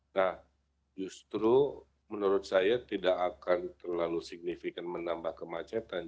nah justru menurut saya tidak akan terlalu signifikan menambah kemacetan